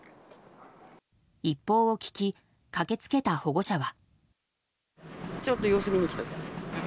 一報を聞き駆け付けた保護者は。